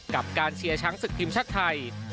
กับการเชียร์ช้างศึกทีมชาติไทย